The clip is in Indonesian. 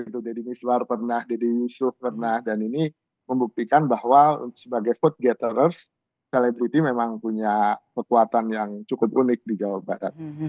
deddy miswar pernah deddy yusuf pernah dan ini membuktikan bahwa sebagai food getterers celebriti memang punya kekuatan yang cukup unik di jawa barat